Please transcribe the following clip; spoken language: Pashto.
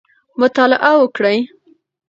مطالعه وکړئ.